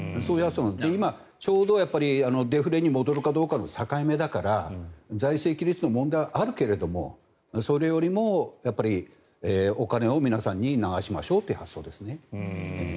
今、ちょうどデフレに戻るかどうかの境目だから財政規律の問題はあるけれどそれよりもお金を皆さんに流しましょうという発想ですね。